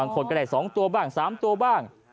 ก็ได้สองตัวบ้างสามตัวบ้าง